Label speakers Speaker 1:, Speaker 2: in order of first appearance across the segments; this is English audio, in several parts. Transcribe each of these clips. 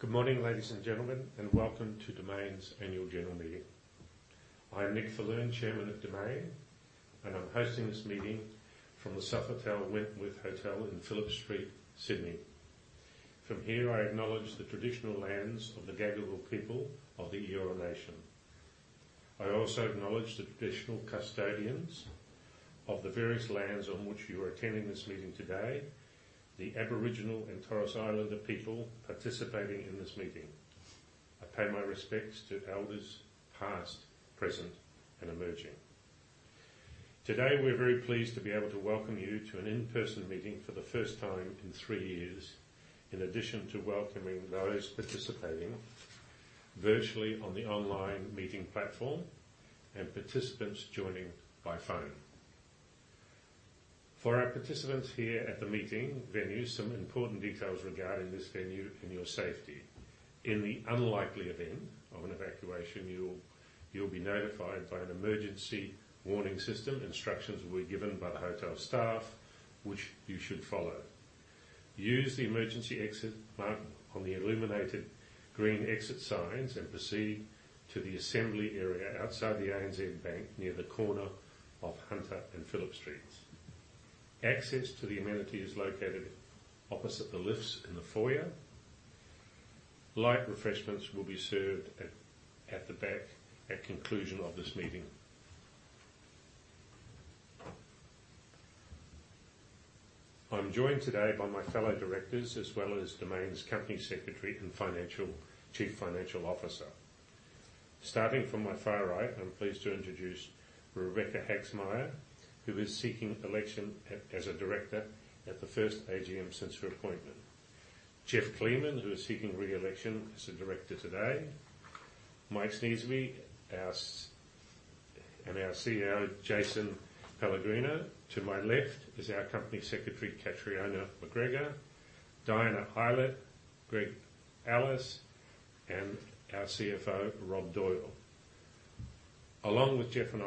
Speaker 1: Good morning, ladies and gentlemen, and welcome to Domain's Annual General Meeting. I'm Nick Falloon, Chairman of Domain, and I'm hosting this meeting from the Sofitel Wentworth Hotel in Phillip Street, Sydney. From here, I acknowledge the traditional lands of the Gadigal people of the Eora Nation. I also acknowledge the traditional custodians of the various lands on which you are attending this meeting today, the Aboriginal and Torres Islander people participating in this meeting. I pay my respects to elders past, present, and emerging. Today, we're very pleased to be able to welcome you to an in-person meeting for the first time in three years, in addition to welcoming those participating virtually on the online meeting platform and participants joining by phone. For our participants here at the meeting venue, some important details regarding this venue and your safety. In the unlikely event of an evacuation, you'll be notified by an emergency warning system. Instructions will be given by the hotel staff, which you should follow. Use the emergency exit marked on the illuminated green exit signs and proceed to the assembly area outside the ANZ Bank near the corner of Hunter and Phillip Streets. Access to the amenity is located opposite the lifts in the foyer. Light refreshments will be served at the back at conclusion of this meeting. I'm joined today by my fellow directors as well as Domain's Company Secretary and Chief Financial Officer. Starting from my far right, I'm pleased to introduce Rebecca Haagsma, who is seeking election as a director at the first AGM since her appointment. Geoff Kleemann, who is seeking re-election as a director today. Mike Sneesby and our CEO, Jason Pellegrino. To my left is our Company Secretary, Catriona McGregor, Diana Eilert, Greg Ellis, and our CFO, Rob Doyle. Along with Geoff and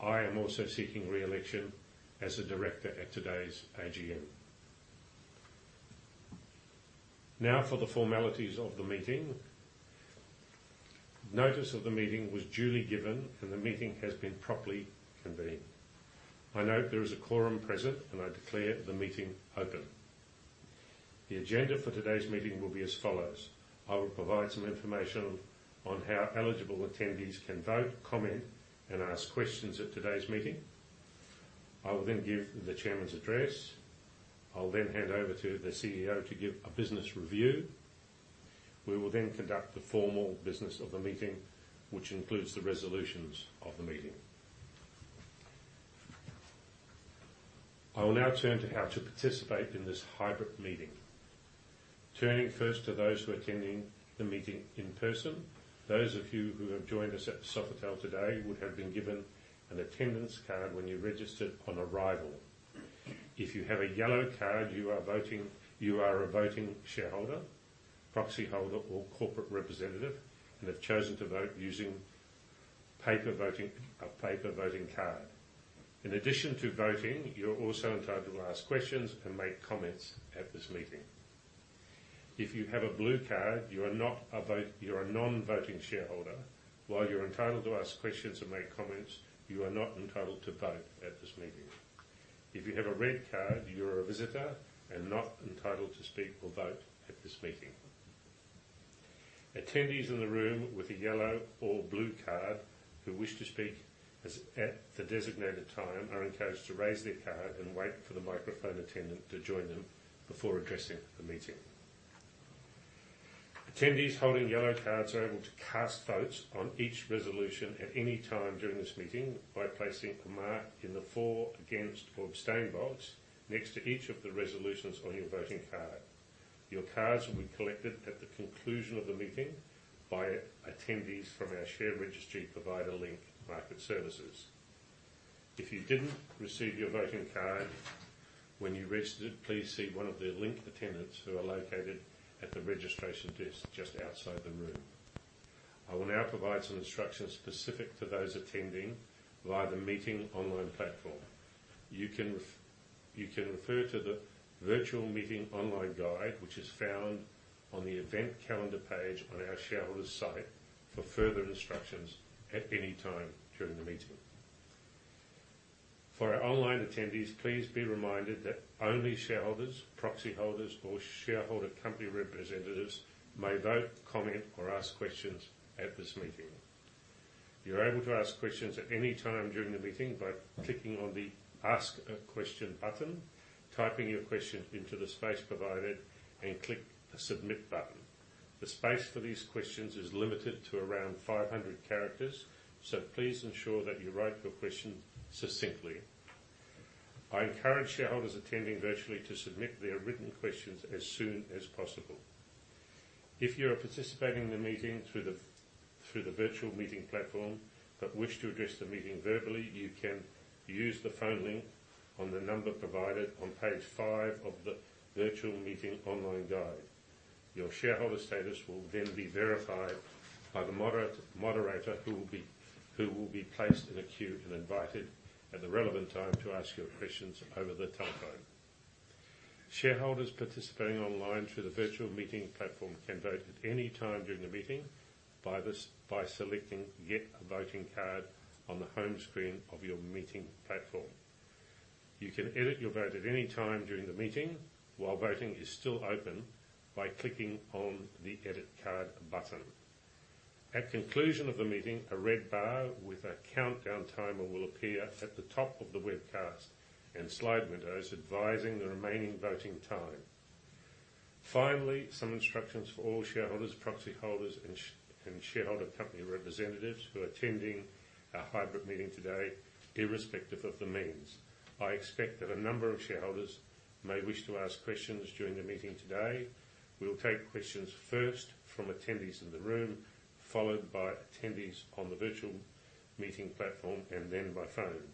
Speaker 1: I am also seeking re-election as a director at today's AGM. Now for the formalities of the meeting. Notice of the meeting was duly given and the meeting has been properly convened. I note there is a quorum present and I declare the meeting open. The agenda for today's meeting will be as follows. I will provide some information on how eligible attendees can vote, comment, and ask questions at today's meeting. I will then give the Chairman's address. I'll then hand over to the CEO to give a business review. We will then conduct the formal business of the meeting, which includes the resolutions of the meeting. I will now turn to how to participate in this hybrid meeting. Turning first to those who are attending the meeting in person. Those of you who have joined us at Sofitel today would have been given an attendance card when you registered on arrival. If you have a yellow card, you are voting. You are a voting shareholder, proxy holder or corporate representative and have chosen to vote using paper voting. A paper voting card. In addition to voting, you're also entitled to ask questions and make comments at this meeting. If you have a blue card, you are not a vote. You're a non-voting shareholder. While you're entitled to ask questions and make comments, you are not entitled to vote at this meeting. If you have a red card, you're a visitor and not entitled to speak or vote at this meeting. Attendees in the room with a yellow or blue card who wish to speak as, at the designated time are encouraged to raise their card and wait for the microphone attendant to join them before addressing the meeting. Attendees holding yellow cards are able to cast votes on each resolution at any time during this meeting by placing a mark in the for, against or abstain box next to each of the resolutions on your voting card. Your cards will be collected at the conclusion of the meeting by attendants from our share registry provider, Link Market Services. If you didn't receive your voting card when you registered, please see one of the Link attendants who are located at the registration desk just outside the room. I will now provide some instructions specific to those attending via the meeting online platform. You can, you can refer to the Virtual Meeting Online Guide, which is found on the event calendar page on our shareholder site for further instructions at any time during the meeting. For our online attendees, please be reminded that only shareholders, proxy holders or shareholder company representatives may vote, comment or ask questions at this meeting. You're able to ask questions at any time during the meeting by clicking on the Ask a Question button, typing your question into the space provided and click the Submit button. The space for these questions is limited to around 500 characters, so please ensure that you write your question succinctly. I encourage shareholders attending virtually to submit their written questions as soon as possible. If you are participating in the meeting through the virtual meeting platform, but wish to address the meeting verbally, you can use the phone link on the number provided on page five of the Virtual Meeting Online Guide. Your shareholder status will then be verified by the moderator who will be placed in a queue and invited at the relevant time to ask your questions over the telephone. Shareholders participating online through the virtual meeting platform can vote at any time during the meeting by selecting Get a Voting Card on the home screen of your meeting platform. You can edit your vote at any time during the meeting while voting is still open by clicking on the Edit Card button. At conclusion of the meeting, a red bar with a countdown timer will appear at the top of the webcast and slide windows advising the remaining voting time. Finally, some instructions for all shareholders, proxy holders and shareholder company representatives who are attending our hybrid meeting today irrespective of the means. I expect that a number of shareholders may wish to ask questions during the meeting today. We'll take questions first from attendees in the room, followed by attendees on the virtual meeting platform, and then by phone.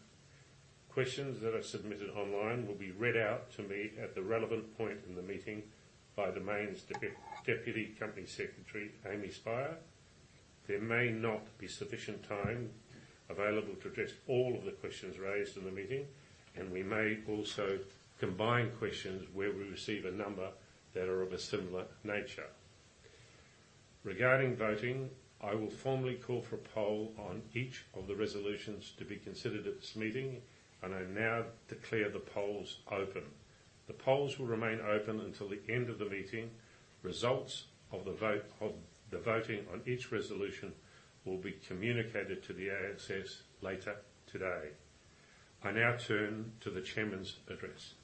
Speaker 1: Questions that are submitted online will be read out to me at the relevant point in the meeting by Domain's Deputy Company Secretary, Amy Spira. There may not be sufficient time available to address all of the questions raised in the meeting, and we may also combine questions where we receive a number that are of a similar nature. Regarding voting, I will formally call for a poll on each of the resolutions to be considered at this meeting, and I now declare the polls open. The polls will remain open until the end of the meeting. Results of the voting on each resolution will be communicated to the ASX later today. I now turn to the Chairman's address.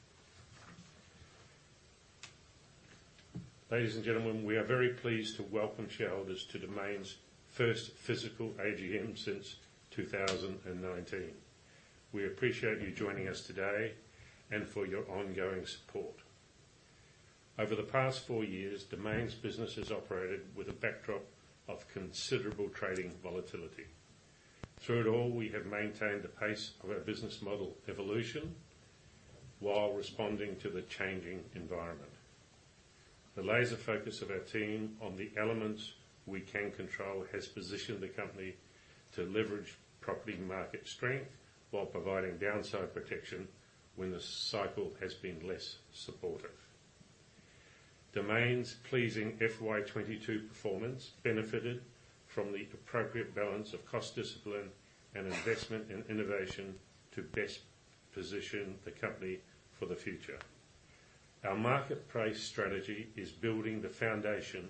Speaker 1: Ladies and gentlemen, we are very pleased to welcome shareholders to Domain's first physical AGM since 2019. We appreciate you joining us today and for your ongoing support. Over the past four years, Domain's business has operated with a backdrop of considerable trading volatility. Through it all, we have maintained the pace of our business model evolution while responding to the changing environment. The laser focus of our team on the elements we can control has positioned the company to leverage property market strength while providing downside protection when the cycle has been less supportive. Domain's pleasing FY 2022 performance benefited from the appropriate balance of cost discipline and investment in innovation to best position the company for the future. Our marketplace strategy is building the foundation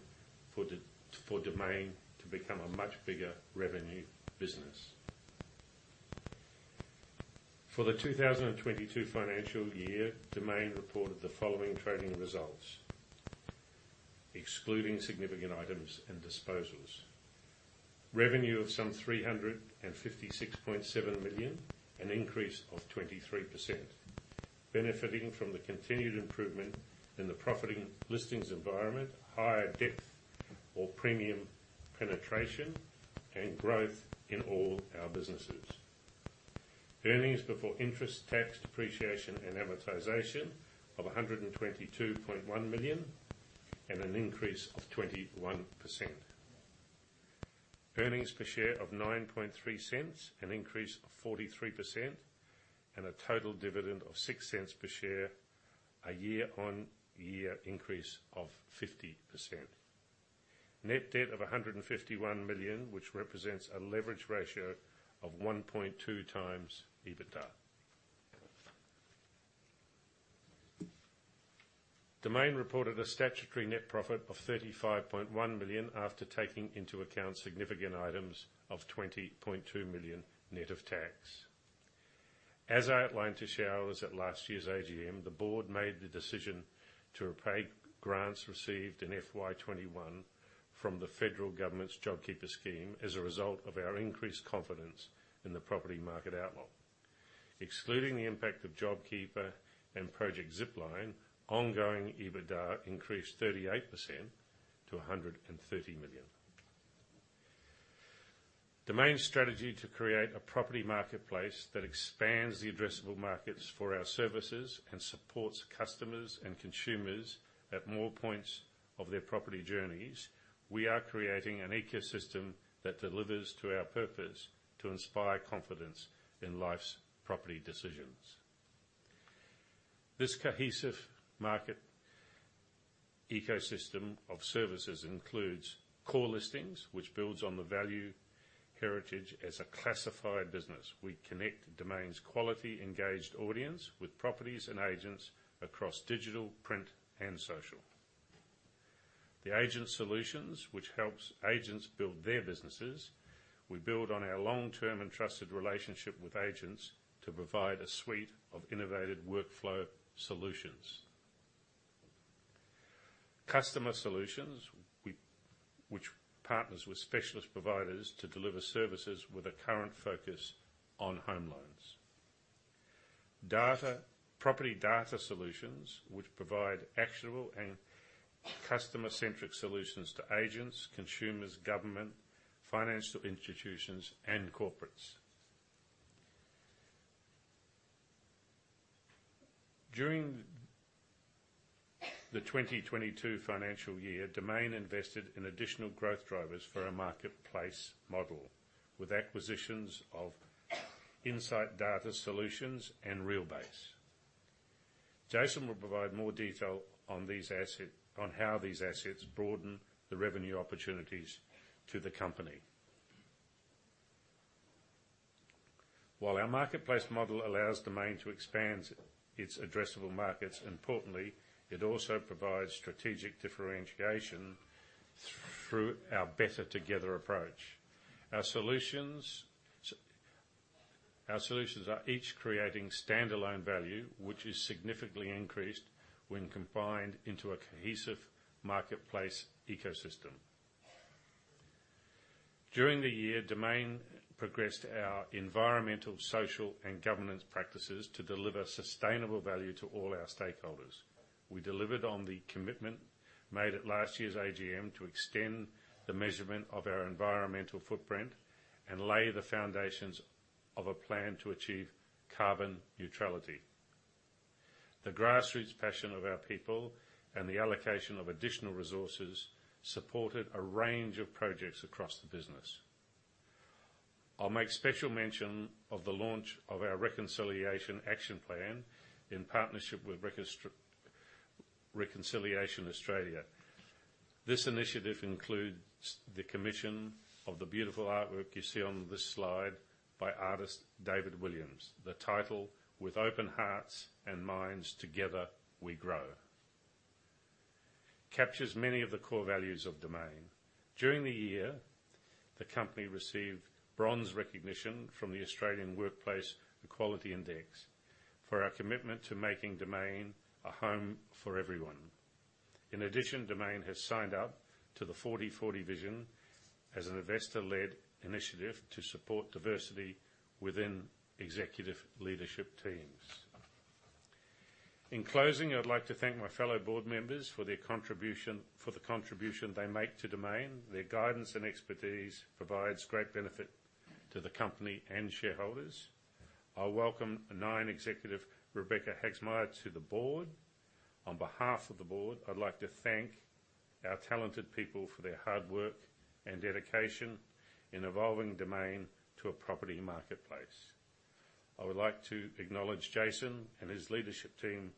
Speaker 1: for Domain to become a much bigger revenue business. For the 2022 financial year, Domain reported the following trading results. Excluding significant items and disposals. Revenue of some 356.7 million, an increase of 23%, benefiting from the continued improvement in the property listings environment, higher depth and premium penetration, and growth in all our businesses. Earnings before interest, tax, depreciation and amortization of 122.1 million, and an increase of 21%. Earnings per share of 0.093, an increase of 43%, and a total dividend of 0.06 per share, a year-on-year increase of 50%. Net debt of 151 million, which represents a leverage ratio of 1.2x EBITDA. Domain reported a statutory net profit of 35.1 million after taking into account significant items of 20.2 million net of tax. As outlined to shareholders at last year's AGM, the Board made the decision to repay grants received in FY 2021 from the federal government's JobKeeper scheme as a result of our increased confidence in the property market outlook. Excluding the impact of JobKeeper and Project Zipline, ongoing EBITDA increased 38% to 130 million. Domain's strategy to create a property marketplace that expands the addressable markets for our services and supports customers and consumers at more points of their property journeys. We are creating an ecosystem that delivers to our purpose to inspire confidence in life's property decisions. This cohesive market ecosystem of services includes core listings, which builds on the value heritage as a classified business. We connect Domain's quality engaged audience with properties and agents across digital, print, and social. The agent solutions which helps agents build their businesses. We build on our long-term and trusted relationship with agents to provide a suite of innovative workflow solutions. Customer solutions which partners with specialist providers to deliver services with a current focus on home loans. Data, property data solutions which provide actionable and customer-centric solutions to agents, consumers, government, financial institutions, and corporates. During the 2022 financial year, Domain invested in additional growth drivers for our marketplace model, with acquisitions of Insight Data Solutions and Realbase. Jason will provide more detail on how these assets broaden the revenue opportunities to the company. While our marketplace model allows Domain to expand its addressable markets, importantly, it also provides strategic differentiation through our better together approach. Our solutions are each creating standalone value, which is significantly increased when combined into a cohesive marketplace ecosystem. During the year, Domain progressed our environmental, social, and governance practices to deliver sustainable value to all our stakeholders. We delivered on the commitment made at last year's AGM to extend the measurement of our environmental footprint and lay the foundations of a plan to achieve carbon neutrality. The grassroots passion of our people and the allocation of additional resources supported a range of projects across the business. I'll make special mention of the launch of our reconciliation action plan in partnership with Reconciliation Australia. This initiative includes the commission of the beautiful artwork you see on this slide by artist David Williams. The title, With Open Hearts and Minds, Together We Grow, captures many of the core values of Domain. During the year, the company received bronze recognition from the Australian Workplace Equality Index for our commitment to making Domain a home for everyone. In addition, Domain has signed up to the 40:40 Vision as an investor-led initiative to support diversity within executive leadership teams. In closing, I would like to thank my fellow Board members for the contribution they make to Domain. Their guidance and expertise provides great benefit to the company and shareholders. I welcome Non-Executive Rebecca Haagsma to the Board. On behalf of the Board, I'd like to thank our talented people for their hard work and dedication in evolving Domain to a property marketplace. I would like to acknowledge Jason and his leadership team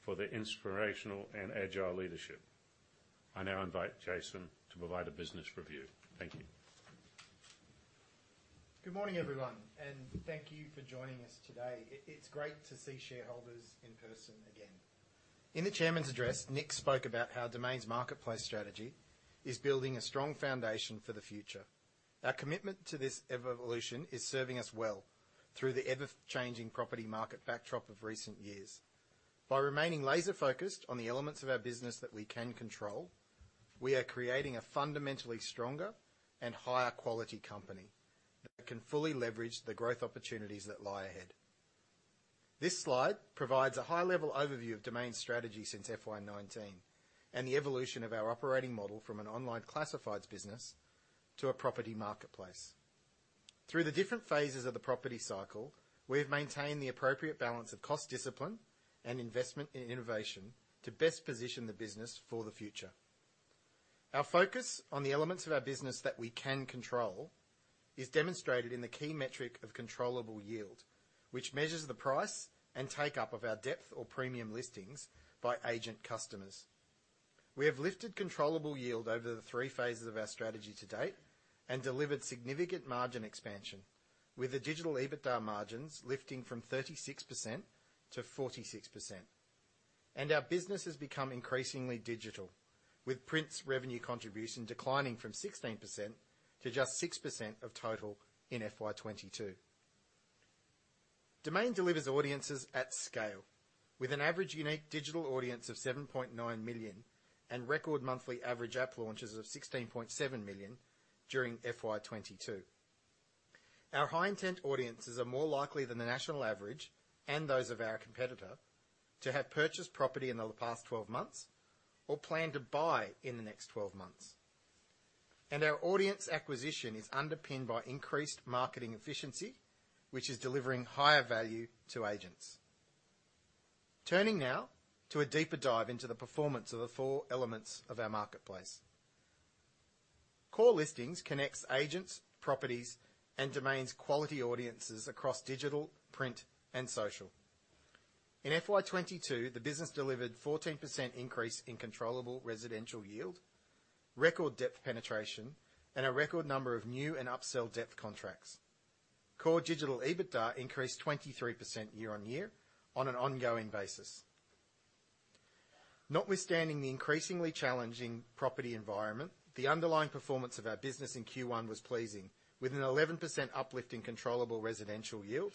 Speaker 1: for their inspirational and agile leadership. I now invite Jason to provide a business review. Thank you.
Speaker 2: Good morning, everyone, and thank you for joining us today. It's great to see shareholders in person again. In the Chairman's address, Nick spoke about how Domain's marketplace strategy is building a strong foundation for the future. Our commitment to this evolution is serving us well through the ever-changing property market backdrop of recent years. By remaining laser-focused on the elements of our business that we can control, we are creating a fundamentally stronger and higher quality company that can fully leverage the growth opportunities that lie ahead. This slide provides a high-level overview of Domain's strategy since FY 2019, and the evolution of our operating model from an online classifieds business to a property marketplace. Through the different phases of the property cycle, we've maintained the appropriate balance of cost discipline and investment in innovation to best position the business for the future. Our focus on the elements of our business that we can control is demonstrated in the key metric of controllable yield, which measures the price and take-up of our depth or premium listings by agent customers. We have lifted controllable yield over the three phases of our strategy to date and delivered significant margin expansion with the digital EBITDA margins lifting from 36% to 46%. Our business has become increasingly digital, with print's revenue contribution declining from 16% to just 6% of total in FY 2022. Domain delivers audiences at scale with an average unique digital audience of 7.9 million and record monthly average app launches of 16.7 million during FY 2022. Our high intent audiences are more likely than the national average and those of our competitor to have purchased property in the past 12 months or plan to buy in the next 12 months. Our audience acquisition is underpinned by increased marketing efficiency, which is delivering higher value to agents. Turning now to a deeper dive into the performance of the four elements of our marketplace. Core listings connects agents, properties, and Domain's quality audiences across digital, print, and social. In FY 2022, the business delivered 14% increase in controllable residential yield, record depth penetration, and a record number of new and upsell depth contracts. Core digital EBITDA increased 23% year-on-year on an ongoing basis. Notwithstanding the increasingly challenging property environment, the underlying performance of our business in Q1 was pleasing, with an 11% uplift in controllable residential yield,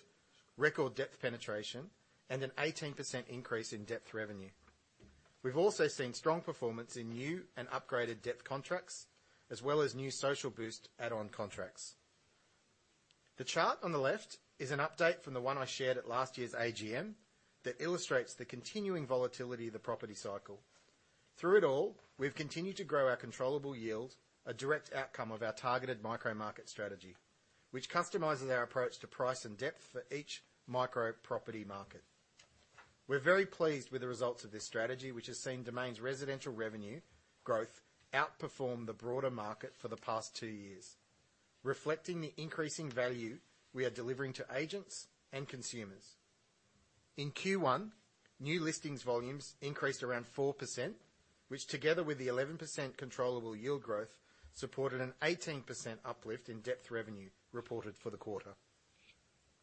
Speaker 2: record Domain penetration, and an 18% increase in Domain revenue. We've also seen strong performance in new and upgraded Domain contracts, as well as new Social Boost add-on contracts. The chart on the left is an update from the one I shared at last year's AGM that illustrates the continuing volatility of the property cycle. Through it all, we've continued to grow our controllable yield, a direct outcome of our targeted micro market strategy, which customizes our approach to price and Domain for each micro property market. We're very pleased with the results of this strategy, which has seen Domain's residential revenue growth outperform the broader market for the past 2 years, reflecting the increasing value we are delivering to agents and consumers. In Q1, new listings volumes increased around 4%, which together with the 11% controllable yield growth, supported an 18% uplift in depth revenue reported for the quarter.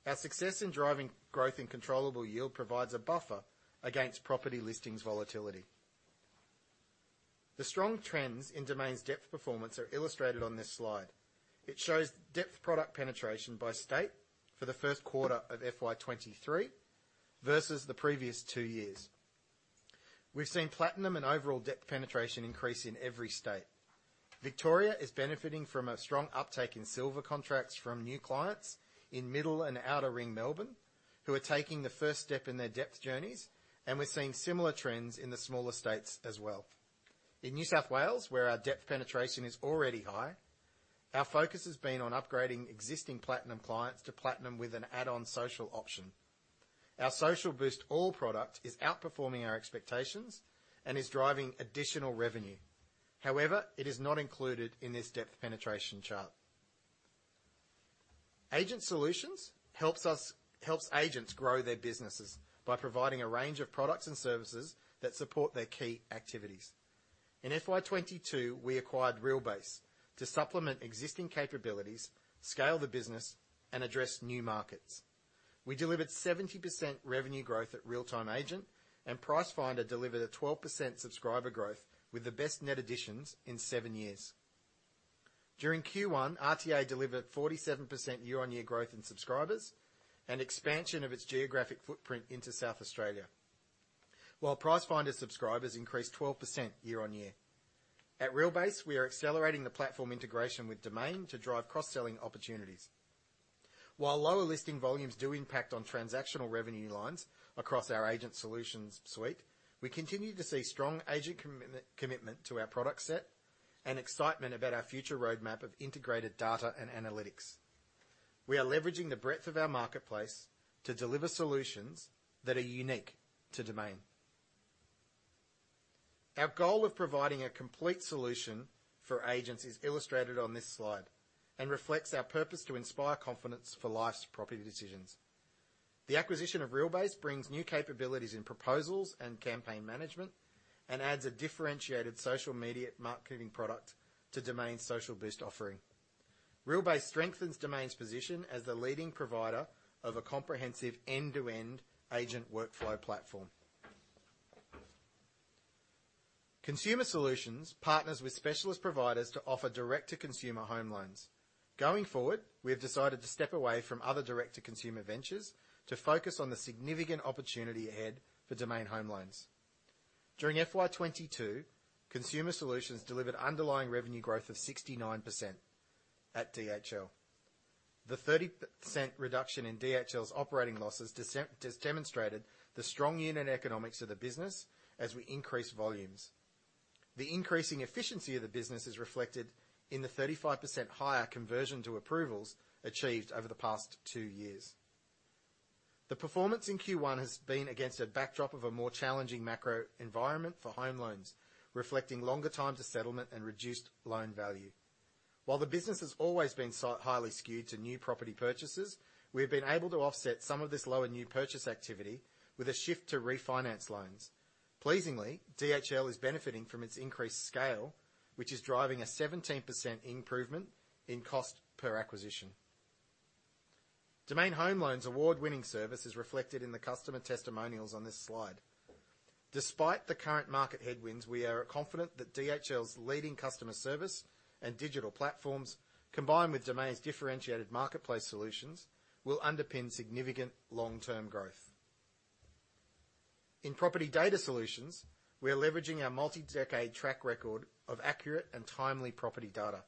Speaker 2: Our success in driving growth and controllable yield provides a buffer against property listings volatility. The strong trends in Domain's depth performance are illustrated on this slide. It shows depth product penetration by state for the first quarter of FY 2023 versus the previous 2 years. We've seen platinum and overall depth penetration increase in every state. Victoria is benefiting from a strong uptake in silver contracts from new clients in middle and outer ring Melbourne who are taking the first step in their depth journeys, and we're seeing similar trends in the smaller states as well. In New South Wales, where our depth penetration is already high, our focus has been on upgrading existing platinum clients to platinum with an add-on social option. Our Social Boost All product is outperforming our expectations and is driving additional revenue. However, it is not included in this depth penetration chart. Agent Solutions helps agents grow their businesses by providing a range of products and services that support their key activities. In FY 2022, we acquired Realbase to supplement existing capabilities, scale the business, and address new markets. We delivered 70% revenue growth at Real Time Agent, and Pricefinder delivered a 12% subscriber growth with the best net additions in 7 years. During Q1, RTA delivered 47% year-on-year growth in subscribers and expansion of its geographic footprint into South Australia. While Pricefinder subscribers increased 12% year-on-year. At Realbase, we are accelerating the platform integration with Domain to drive cross-selling opportunities. While lower listing volumes do impact on transactional revenue lines across our agent solutions suite, we continue to see strong agent commitment to our product set and excitement about our future roadmap of integrated data and analytics. We are leveraging the breadth of our marketplace to deliver solutions that are unique to Domain. Our goal of providing a complete solution for agents is illustrated on this slide and reflects our purpose to inspire confidence for life's property decisions. The acquisition of Realbase brings new capabilities in proposals and campaign management and adds a differentiated social media marketing product to Domain's Social Boost offering. Realbase strengthens Domain's position as the leading provider of a comprehensive end-to-end agent workflow platform. Consumer Solutions partners with specialist providers to offer direct-to-consumer home loans. Going forward, we have decided to step away from other direct-to-consumer ventures to focus on the significant opportunity ahead for Domain Home Loans. During FY 22, Consumer Solutions delivered underlying revenue growth of 69% at DHL. The 30% reduction in DHL's operating losses has demonstrated the strong unit economics of the business as we increase volumes. The increasing efficiency of the business is reflected in the 35% higher conversion to approvals achieved over the past two years. The performance in Q1 has been against a backdrop of a more challenging macro environment for home loans, reflecting longer time to settlement and reduced loan value. While the business has always been highly skewed to new property purchases, we've been able to offset some of this lower new purchase activity with a shift to refinance loans. Pleasingly, DHL is benefiting from its increased scale, which is driving a 17% improvement in cost per acquisition. Domain Home Loans' award-winning service is reflected in the customer testimonials on this slide. Despite the current market headwinds, we are confident that DHL's leading customer service and digital platforms, combined with Domain's differentiated marketplace solutions, will underpin significant long-term growth. In Property Data Solutions, we are leveraging our multi-decade track record of accurate and timely property data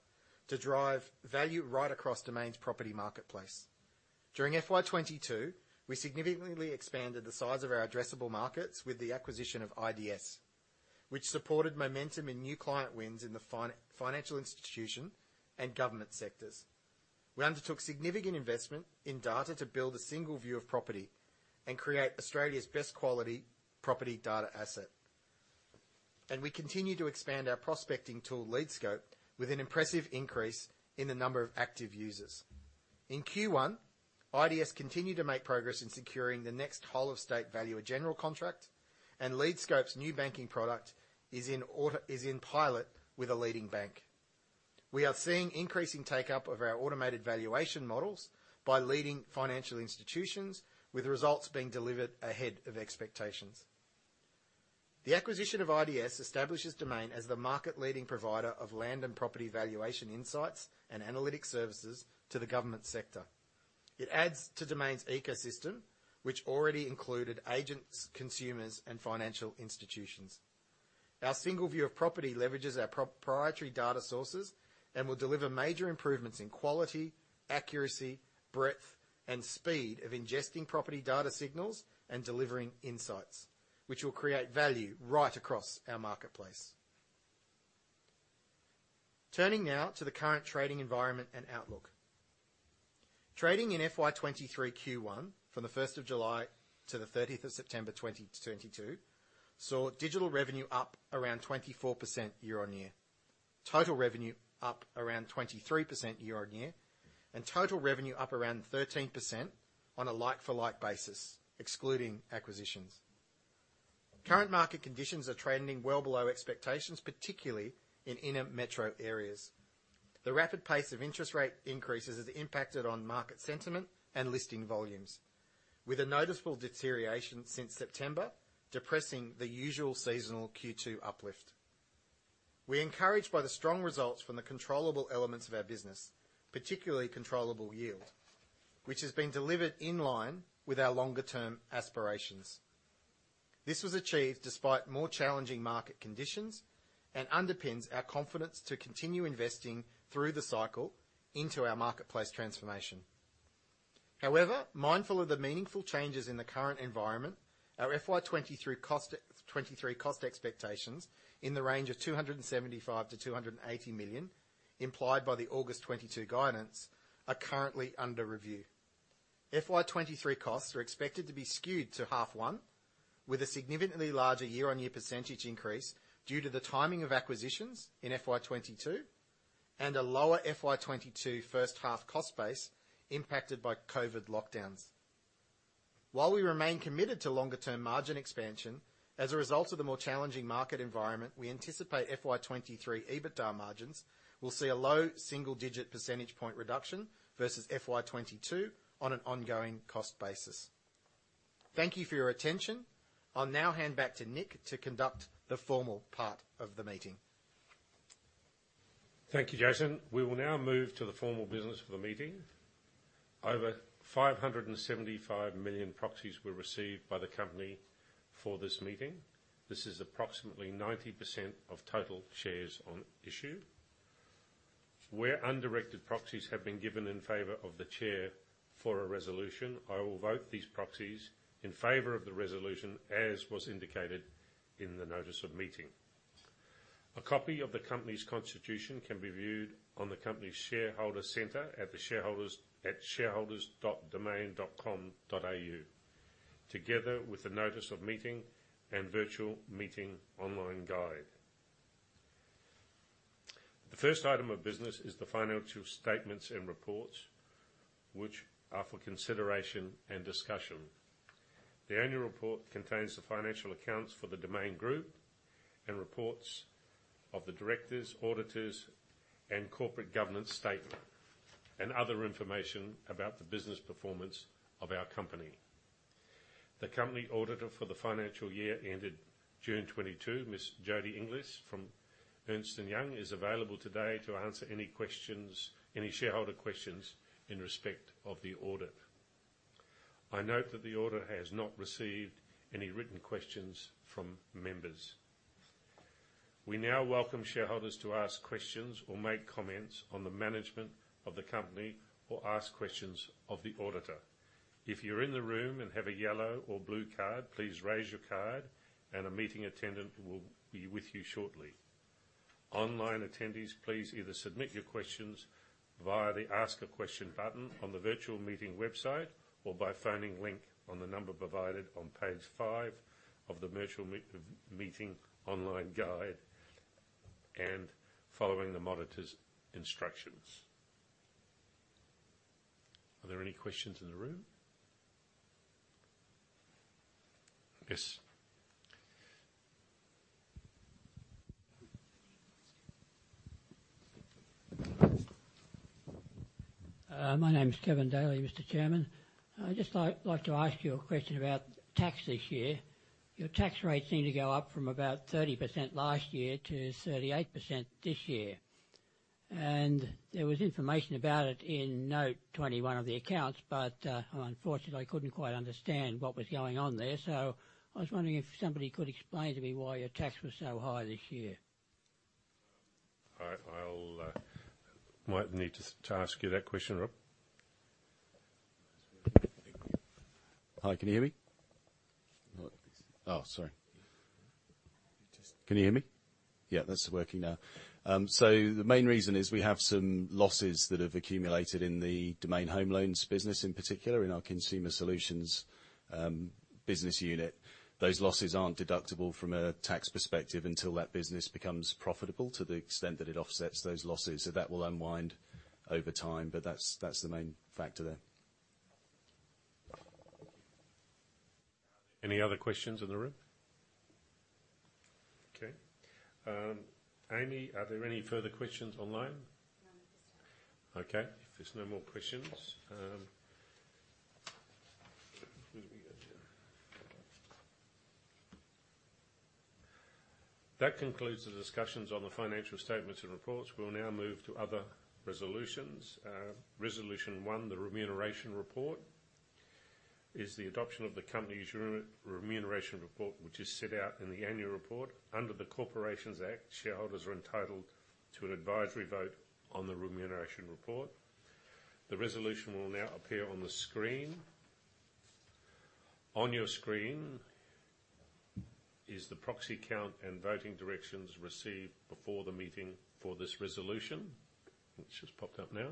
Speaker 2: to drive value right across Domain's property marketplace. During FY 2022, we significantly expanded the size of our addressable markets with the acquisition of IDS, which supported momentum in new client wins in the financial institution and government sectors. We undertook significant investment in data to build a single view of property and create Australia's best quality property data asset. We continue to expand our prospecting tool, LeadScope, with an impressive increase in the number of active users. In Q1, IDS continued to make progress in securing the next whole-of-state Valuer General contract, and LeadScope's new banking product is in pilot with a leading bank. We are seeing increasing take-up of our automated valuation models by leading financial institutions, with results being delivered ahead of expectations. The acquisition of IDS establishes Domain as the market-leading provider of land and property valuation insights and analytic services to the government sector. It adds to Domain's ecosystem, which already included agents, consumers, and financial institutions. Our single view of property leverages our proprietary data sources and will deliver major improvements in quality, accuracy, breadth, and speed of ingesting property data signals and delivering insights, which will create value right across our marketplace. Turning now to the current trading environment and outlook. Trading in FY 2023 Q1, from July 1 to September 30, 2022, saw digital revenue up around 24% year-on-year, total revenue up around 23% year-on-year, and total revenue up around 13% on a like-for-like basis, excluding acquisitions. Current market conditions are trending well below expectations, particularly in inner metro areas. The rapid pace of interest rate increases has impacted on market sentiment and listing volumes, with a noticeable deterioration since September, depressing the usual seasonal Q2 uplift. We're encouraged by the strong results from the controllable elements of our business, particularly controllable yield, which has been delivered in line with our longer term aspirations. This was achieved despite more challenging market conditions and underpins our confidence to continue investing through the cycle into our marketplace transformation. However, mindful of the meaningful changes in the current environment, our FY 2023 cost expectations in the range of 275 million-280 million implied by the August 2022 guidance, are currently under review. FY 2023 costs are expected to be skewed to half one, with a significantly larger year-on-year percentage increase due to the timing of acquisitions in FY 2022, and a lower FY 2022 first half cost base impacted by COVID lockdowns. While we remain committed to longer term margin expansion, as a result of the more challenging market environment, we anticipate FY 2023 EBITDA margins will see a low single digit percentage point reduction versus FY 2022 on an ongoing cost basis. Thank you for your attention. I'll now hand back to Nick to conduct the formal part of the meeting.
Speaker 1: Thank you, Jason. We will now move to the formal business for the meeting. Over 575 million proxies were received by the company for this meeting. This is approximately 90% of total shares on issue. Where undirected proxies have been given in favor of the chair for a resolution, I will vote these proxies in favor of the resolution, as was indicated in the notice of meeting. A copy of the company's constitution can be viewed on the company's shareholder center at shareholders.domain.com.au, together with the notice of meeting and virtual meeting online guide. The first item of business is the financial statements and reports which are for consideration and discussion. The annual report contains the financial accounts for the Domain Group and reports of the directors, auditors, and corporate governance statement, and other information about the business performance of our company. The company auditor for the financial year ended June 2022, Ms. Jodie Inglis from Ernst & Young, is available today to answer any questions, any shareholder questions in respect of the audit. I note that the audit has not received any written questions from members. We now welcome shareholders to ask questions or make comments on the management of the company or ask questions of the auditor. If you're in the room and have a yellow or blue card, please raise your card and a meeting attendant will be with you shortly. Online attendees, please either submit your questions via the Ask a Question button on the virtual meeting website or by phoning Link on the number provided on page five of the virtual meeting online guide and following the monitor's instructions. Are there any questions in the room? Yes.
Speaker 3: My name is Kevin Daly, Mr. Chairman. I'd just like to ask you a question about tax this year. Your tax rates seem to go up from about 30% last year to 38% this year. There was information about it in note 21 of the accounts, but, unfortunately, I couldn't quite understand what was going on there. I was wondering if somebody could explain to me why your tax was so high this year.
Speaker 1: All right. I'll might need to ask you that question, Rob.
Speaker 4: Hi. Can you hear me? Oh, sorry. Can you hear me? Yeah, that's working now. The main reason is we have some losses that have accumulated in the Domain Home Loans business, in particular in our consumer solutions business unit. Those losses aren't deductible from a tax perspective until that business becomes profitable to the extent that it offsets those losses. That will unwind over time. That's the main factor there.
Speaker 1: Any other questions in the room? Okay. Amy, are there any further questions online?
Speaker 5: Not at this time.
Speaker 1: Okay. If there's no more questions, where do we go here? That concludes the discussions on the financial statements and reports. We will now move to other resolutions. Resolution 1, the remuneration report, is the adoption of the company's remuneration report, which is set out in the annual report. Under the Corporations Act, shareholders are entitled to an advisory vote on the remuneration report. The resolution will now appear on the screen. On your screen is the proxy count and voting directions received before the meeting for this resolution, which has popped up now.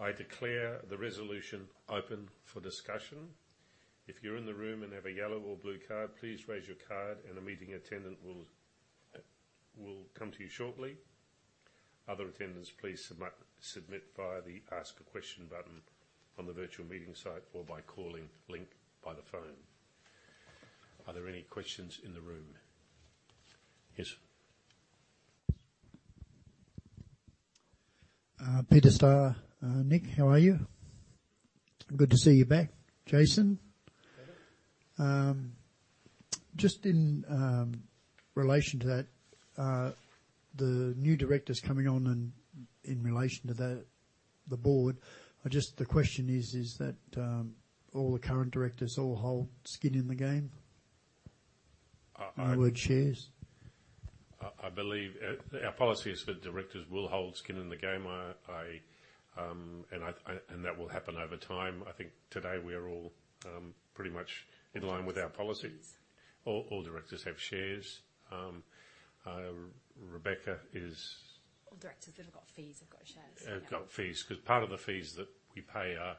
Speaker 1: I declare the resolution open for discussion. If you're in the room and have a yellow or blue card, please raise your card and a meeting attendant will come to you shortly. Other attendees, please submit via the Ask a Question button on the virtual meeting site or by calling in by phone. Are there any questions in the room? Yes.
Speaker 6: Peter Starr. Nick, how are you? Good to see you back. Jason.
Speaker 1: Good.
Speaker 6: Just in relation to that, the new directors coming on and in relation to the Board, the question is that all the current directors all hold skin in the game?
Speaker 1: Uh, I.
Speaker 6: In other words, shares.
Speaker 1: I believe our policy is for directors will hold skin in the game. That will happen over time. I think today we are all pretty much in line with our policy.
Speaker 2: Fees.
Speaker 1: All directors have shares. Rebecca is.
Speaker 7: All directors that have got fees have got shares.
Speaker 1: Have got fees. 'Cause part of the fees that we pay are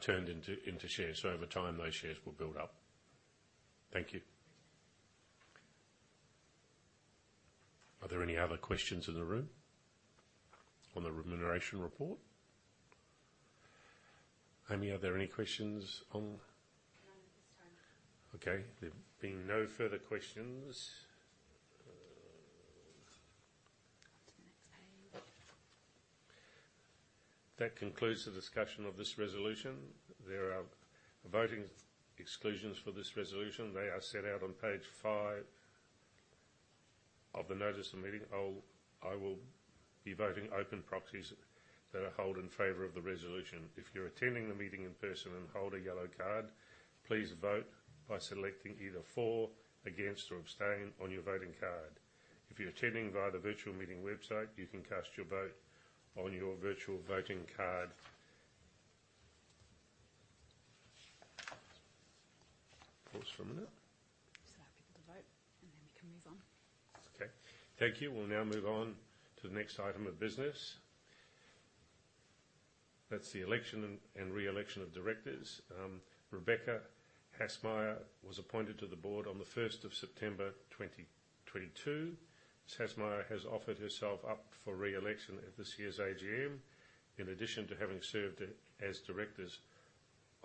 Speaker 1: turned into shares. Over time, those shares will build up. Thank you. Are there any other questions in the room on the remuneration report? Amy, are there any questions on?
Speaker 5: None at this time.
Speaker 1: Okay. There being no further questions.
Speaker 2: On to the next page.
Speaker 1: That concludes the discussion of this resolution. There are voting exclusions for this resolution. They are set out on page five of the notice of the meeting. I will be voting open proxies that are held in favor of the resolution. If you're attending the meeting in person and hold a yellow card, please vote by selecting either for, against or abstain on your voting card. If you're attending via the virtual meeting website, you can cast your vote on your virtual voting card. Pause for a minute.
Speaker 7: Just allow people to vote and then we can move on.
Speaker 1: Okay. Thank you. We'll now move on to the next item of business. That's the election and re-election of directors. Rebecca Haagsma was appointed to the Board on the 1st of September 2022. Ms. Haagsma has offered herself up for re-election at this year's AGM. In addition to having served as directors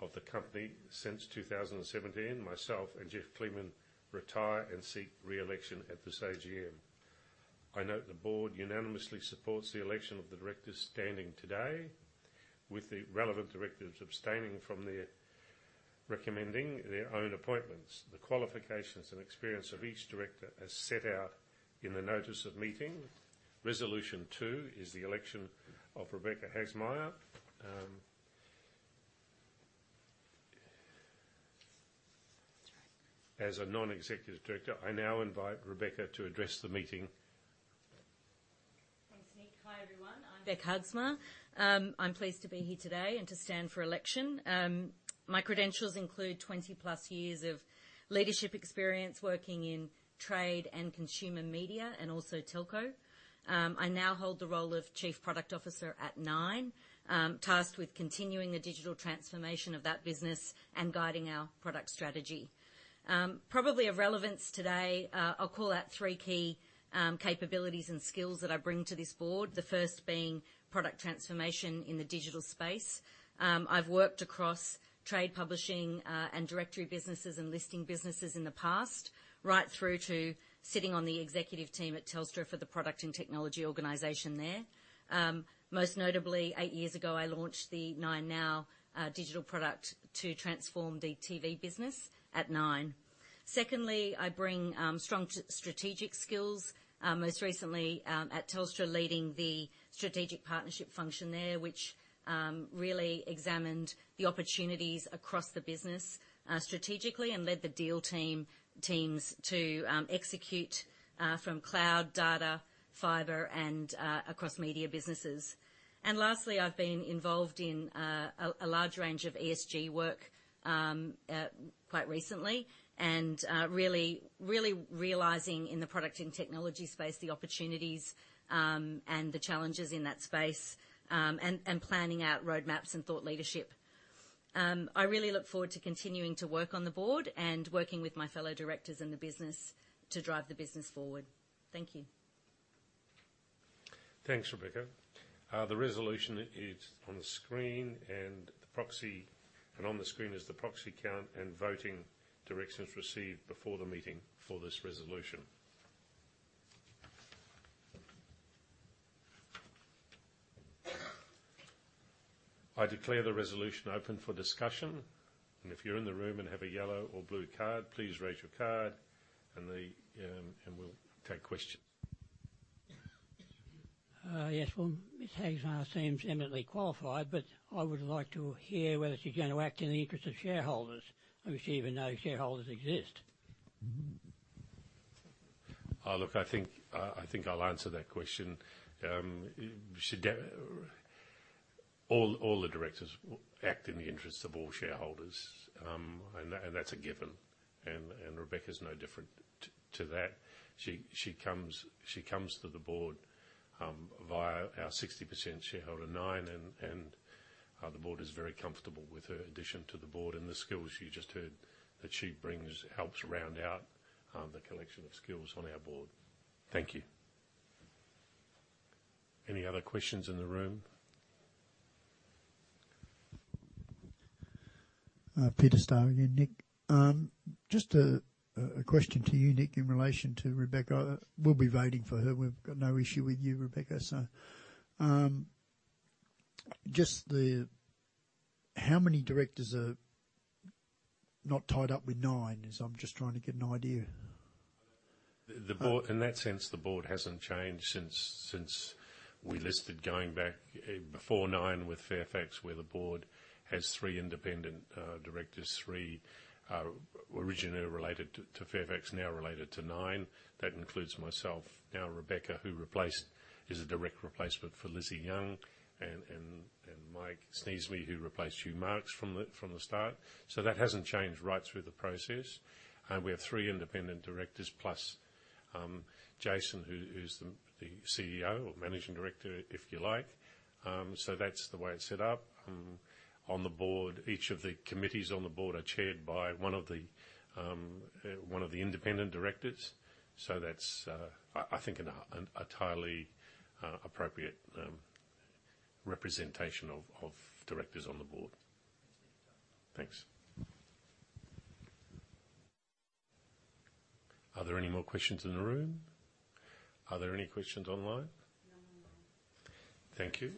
Speaker 1: of the company since 2017, myself and Geoff Kleemann retire and seek re-election at this AGM. I note the Board unanimously supports the election of the directors standing today, with the relevant directors abstaining from their recommending their own appointments. The qualifications and experience of each director as set out in the notice of meeting. Resolution 2 is the election of Rebecca Haagsma.
Speaker 7: That's right.
Speaker 1: As a Non-Executive Director. I now invite Rebecca to address the meeting.
Speaker 7: Thanks, Nick. Hi, everyone. I'm Bec Haagsma. I'm pleased to be here today and to stand for election. My credentials include 20+ years of leadership experience working in trade and consumer media and also telco. I now hold the role of chief product officer at Nine, tasked with continuing the digital transformation of that business and guiding our product strategy. Probably of relevance today, I'll call out 3 key capabilities and skills that I bring to this Board. The first being product transformation in the digital space. I've worked across trade publishing, and directory businesses and listing businesses in the past, right through to sitting on the executive team at Telstra for the product and technology organization there. Most notably, 8 years ago, I launched the 9Now digital product to transform the TV business at Nine. Secondly, I bring strong strategic skills, most recently at Telstra, leading the strategic partnership function there, which really examined the opportunities across the business strategically and led the deal teams to execute from cloud, data, fiber, and across media businesses. Lastly, I've been involved in a large range of ESG work quite recently, and really realizing in the product and technology space the opportunities and the challenges in that space, and planning out roadmaps and thought leadership. I really look forward to continuing to work on the Board and working with my fellow directors in the business to drive the business forward. Thank you.
Speaker 1: Thanks, Rebecca. The resolution is on the screen. On the screen is the proxy count and voting directions received before the meeting for this resolution. I declare the resolution open for discussion, and if you're in the room and have a yellow or blue card, please raise your card. We'll take questions.
Speaker 3: Yes. Well, Ms. Haagsma seems eminently qualified, but I would like to hear whether she's going to act in the interest of shareholders, or if she even knows shareholders exist.
Speaker 1: Oh, look, I think I'll answer that question. Should all the directors act in the interests of all shareholders, and that's a given. Rebecca's no different to that. She comes to the Board via our 60% shareholder Nine, and the Board is very comfortable with her addition to the Board, and the skills you just heard that she brings helps round out the collection of skills on our Board. Thank you. Any other questions in the room?
Speaker 6: Peter Starr again, Nick. Just a question to you, Nick, in relation to Rebecca. We'll be voting for her. We've got no issue with you, Rebecca. How many directors are not tied up with Nine? As I'm just trying to get an idea.
Speaker 1: In that sense, the Board hasn't changed since we listed going back before Nine with Fairfax, where the Board has three independent directors. Three originally related to Fairfax, now related to Nine. That includes myself, now Rebecca, who replaced, is a direct replacement for Lizzie Young, and Mike Sneesby, who replaced Hugh Marks from the start. So that hasn't changed right through the process. We have three independent directors, plus Jason, who's the CEO or managing director, if you like. So that's the way it's set up. On the Board, each of the committees on the Board are chaired by one of the independent directors. So that's, I think an entirely appropriate representation of directors on the Board. Thanks. Are there any more questions in the room? Are there any questions online?
Speaker 5: No more online.
Speaker 1: Thank you.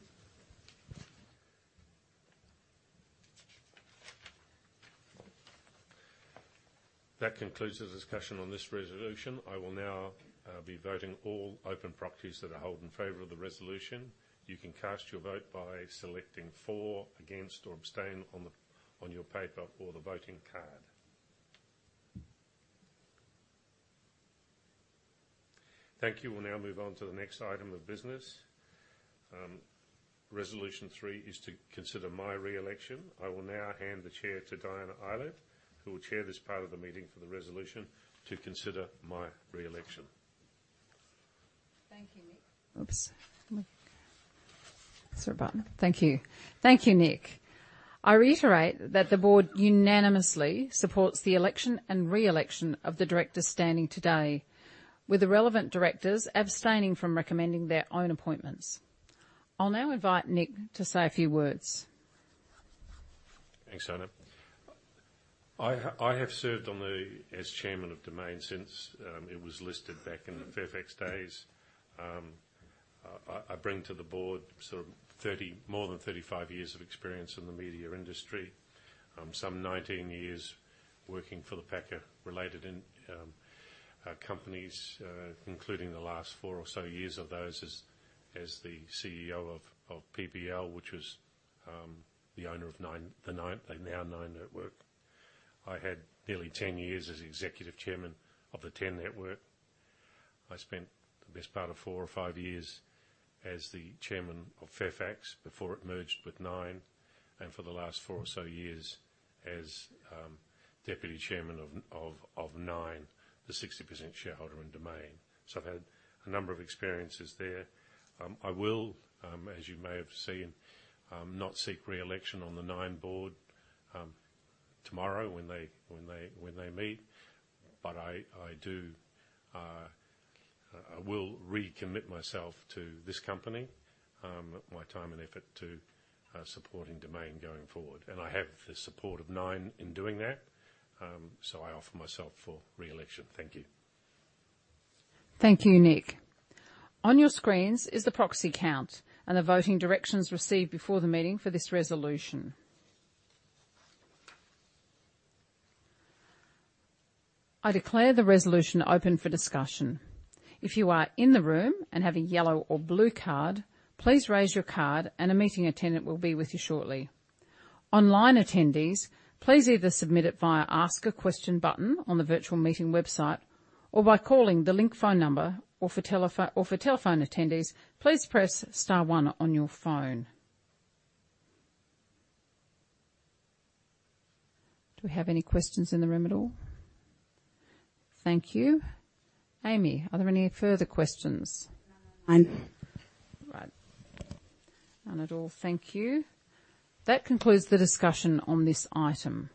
Speaker 1: That concludes the discussion on this resolution. I will now be voting all open proxies that I hold in favor of the resolution. You can cast your vote by selecting for, against, or abstain on your paper or the voting card. Thank you. We'll now move on to the next item of business. Resolution 3 is to consider my re-election. I will now hand the chair to Diana Eilert, who will chair this part of the meeting for the resolution to consider my re-election.
Speaker 8: Thank you, Nick. I reiterate that the Board unanimously supports the election and re-election of the directors standing today, with the relevant directors abstaining from recommending their own appointments. I'll now invite Nick to say a few words.
Speaker 1: Thanks, Diana. I have served as Chairman of Domain since it was listed back in the Fairfax days. I bring to the Board more than 35 years of experience in the media industry. Some 19 years working for the Packer related companies, including the last four or so years of those as the CEO of PBL, which was the owner of Nine, the now Nine Network. I had nearly 10 years as the Executive Chairman of Network 10. I spent the best part of four or five years as the Chairman of Fairfax before it merged with Nine, and for the last four or so years as deputy Chairman of Nine, the 60% shareholder in Domain. I've had a number of experiences there. I will, as you may have seen, not seek re-election on the Nine Board tomorrow when they meet. I will recommit myself to this company, my time and effort to supporting Domain going forward. I have the support of Nine in doing that, so I offer myself for re-election. Thank you.
Speaker 8: Thank you, Nick. On your screens is the proxy count and the voting directions received before the meeting for this resolution. I declare the resolution open for discussion. If you are in the room and have a yellow or blue card, please raise your card and a meeting attendant will be with you shortly. Online attendees, please either submit it via Ask a Question button on the virtual meeting website or by calling the link phone number. Or for telephone attendees, please press star one on your phone. Do we have any questions in the room at all? Thank you. Amy, are there any further questions?
Speaker 5: None.
Speaker 8: Right. None at all. Thank you. That concludes the discussion on this item.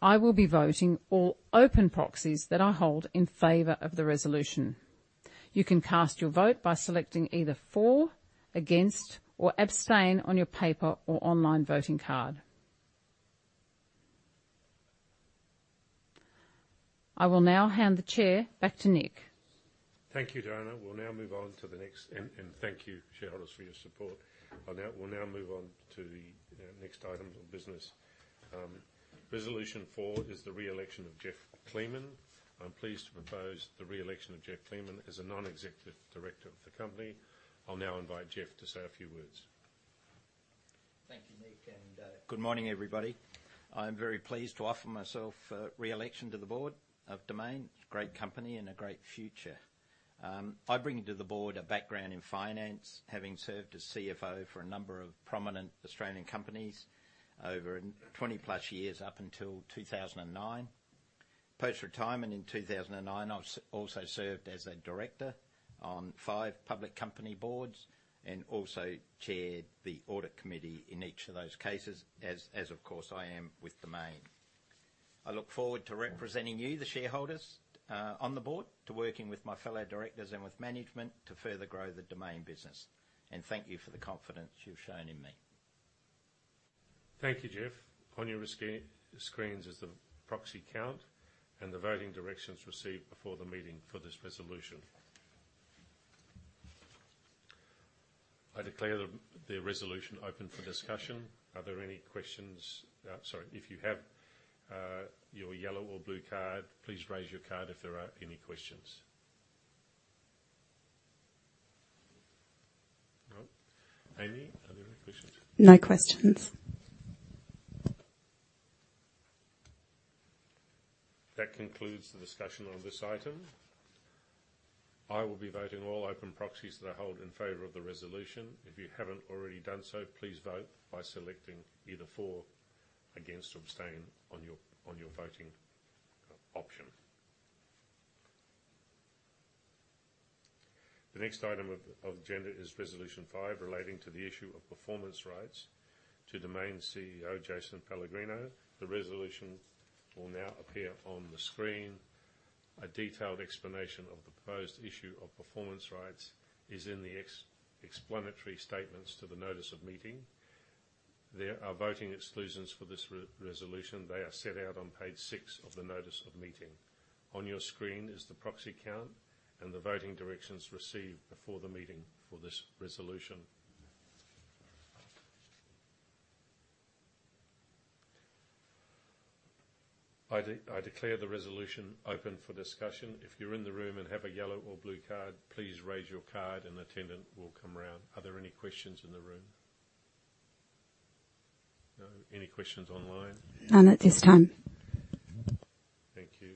Speaker 8: I will be voting all open proxies that I hold in favor of the resolution. You can cast your vote by selecting either for, against, or abstain on your paper or online voting card. I will now hand the chair back to Nick Falloon.
Speaker 1: Thank you, Diana. We'll now move on to the next. Thank you, shareholders, for your support. We'll now move on to the, you know, next item of business. Resolution 4 is the re-election of Geoff Kleemann. I'm pleased to propose the re-election of Geoff Kleemann as a Non-Executive Director of the company. I'll now invite Geoff to say a few words.
Speaker 9: Thank you, Nick, and good morning, everybody. I'm very pleased to offer myself reelection to the Board of Domain. It's a great company and a great future. I bring to the Board a background in finance, having served as CFO for a number of prominent Australian companies over 20+ years up until 2009. Post-retirement in 2009, I also served as a director on five public company Boards and also chaired the audit committee in each of those cases, as of course I am with Domain. I look forward to representing you, the shareholders, on the Board, to working with my fellow directors and with management to further grow the Domain business, and thank you for the confidence you've shown in me.
Speaker 1: Thank you, Geoff. On your screen is the proxy count and the voting directions received before the meeting for this resolution. I declare the resolution open for discussion. Are there any questions? Sorry, if you have your yellow or blue card, please raise your card if there are any questions. No. Amy, are there any questions?
Speaker 5: No questions.
Speaker 1: That concludes the discussion on this item. I will be voting all open proxies that I hold in favor of the resolution. If you haven't already done so, please vote by selecting either for, against, or abstain on your voting option. The next item of agenda is Resolution 5, relating to the issue of performance rights to Domain's CEO, Jason Pellegrino. The resolution will now appear on the screen. A detailed explanation of the proposed issue of performance rights is in the explanatory statements to the notice of meeting. There are voting exclusions for this resolution. They are set out on page six of the notice of meeting. On your screen is the proxy count and the voting directions received before the meeting for this resolution. I declare the resolution open for discussion. If you're in the room and have a yellow or blue card, please raise your card and attendant will come around. Are there any questions in the room? No. Any questions online?
Speaker 5: None at this time.
Speaker 1: Thank you.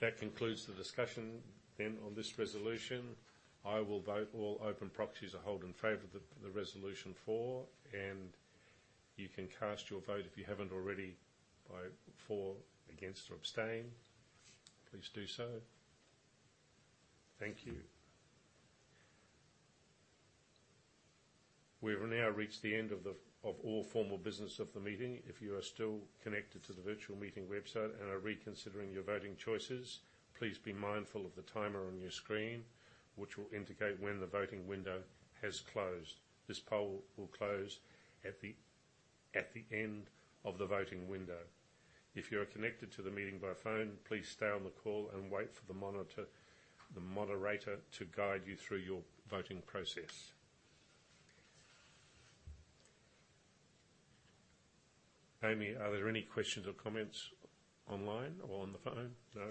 Speaker 1: That concludes the discussion then on this resolution. I will vote all open proxies I hold in favor of the resolution, and you can cast your vote if you haven't already, by for, against, or abstain. Please do so. Thank you. We have now reached the end of all formal business of the meeting. If you are still connected to the virtual meeting website and are reconsidering your voting choices, please be mindful of the timer on your screen, which will indicate when the voting window has closed. This poll will close at the end of the voting window. If you are connected to the meeting by phone, please stay on the call and wait for the moderator to guide you through your voting process. Amy, are there any questions or comments online or on the phone? No.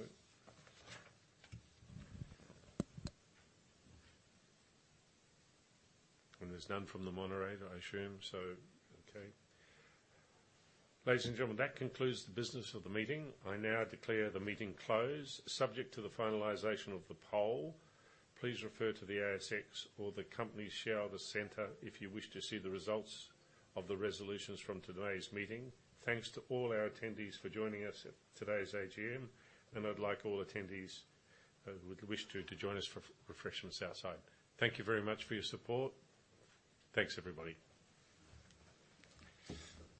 Speaker 1: There's none from the moderator, I assume so. Okay. Ladies and gentlemen, that concludes the business of the meeting. I now declare the meeting closed, subject to the finalization of the poll. Please refer to the ASX or the company's shareholder center if you wish to see the results of the resolutions from today's meeting. Thanks to all our attendees for joining us at today's AGM, and I'd like all attendees who would wish to to join us for refreshments outside. Thank you very much for your support. Thanks, everybody.